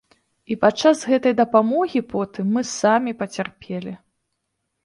І падчас гэтай дапамогі потым мы самі пацярпелі.